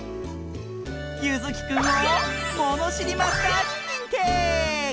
ゆずきくんをものしりマスターににんてい！